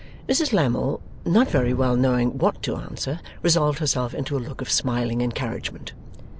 Mrs Lammle, not very well knowing what to answer, resolved herself into a look of smiling encouragement.